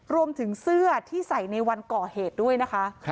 รวมถึงเสื้อที่ใส่ในวันก่อเหตุด้วยนะคะ